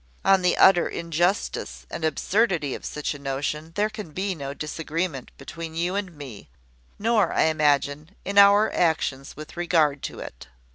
On the utter injustice and absurdity of such a notion there can be no disagreement between you and me; nor, I imagine, in our actions with regard to it.